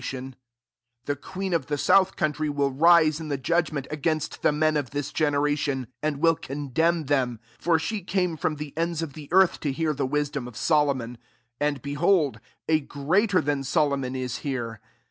SI " The queen of the south country will rise in the judg ment against the men of this generation, and will condemn them: for she came from the ends of the earth to he^r the wisdom of Solomon; and, be hold, a greater than Solomon rt here.